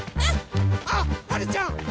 あっはるちゃん！